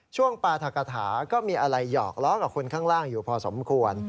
ช่วงปราธกฐาก็มีอะไรหยอกล้อกับคนข้างล่างอยู่พอสมควร